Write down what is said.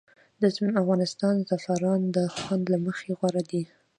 د افغانستان زعفران د خوند له مخې غوره دي